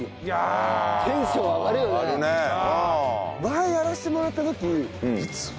前やらせてもらった時。